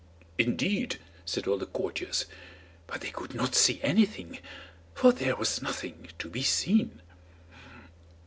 "Indeed!" said all the courtiers; but they could not see anything, for there was nothing to be seen.